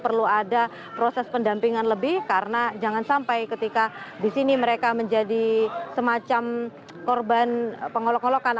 perlu ada proses pendampingan lebih karena jangan sampai ketika di sini mereka menjadi semacam korban pengolok olokan